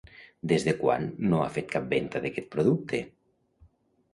Des de quan no ha fet cap venda d'aquest producte?